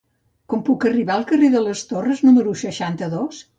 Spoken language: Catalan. Com puc arribar al carrer de les Torres número seixanta-dos?